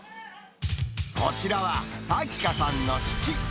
こちらはさきかさんの父。